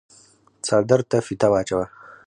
څادر ته فيته واچوه۔